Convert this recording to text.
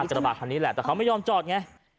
กระบาดคันนี้แหละแต่เขาไม่ยอมจอดไง